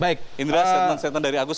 baik indra statement statement dari agus